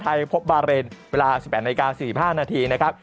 ไทยฟุตบอลอุ่นเครื่องบาร์เรนเวลา๑๘นาฬิกา๔๕นาทีนะครับ